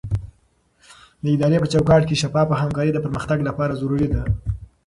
د ادارې په چوکاټ کې شفافه همکاري د پرمختګ لپاره ضروري ده.